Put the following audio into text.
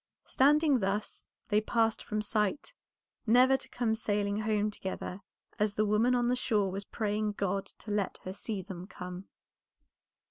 Standing thus they passed from sight, never to come sailing home together as the woman on the shore was praying God to let her see them come.